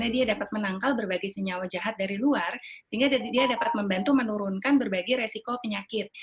dia dapat menangkal berbagai senyawa jahat dari luar sehingga dia dapat membantu menurunkan berbagai resiko penyakit